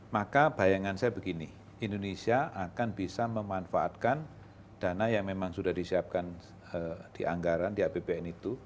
maka bayangan saya begini indonesia akan bisa memanfaatkan dana yang memang sudah disiapkan di anggaran di apbn itu